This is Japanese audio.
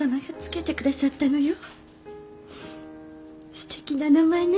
すてきな名前ね。